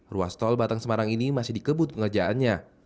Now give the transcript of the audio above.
ruas tol batang semarang ini masih dikebut pengerjaannya